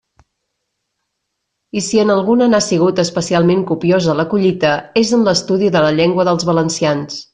I si en alguna n'ha sigut especialment copiosa la collita, és en l'estudi de la llengua dels valencians.